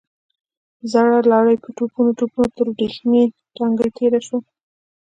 زړه لارۍ په ټوپونو ټوپونو تر ورېښمين تنګي تېره شوه.